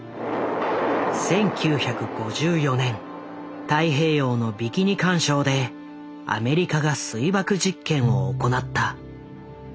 １９５４年太平洋のビキニ環礁でアメリカが水爆実験を行った。